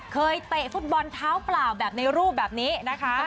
เตะฟุตบอลเท้าเปล่าแบบในรูปแบบนี้นะคะ